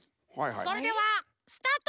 それではスタート！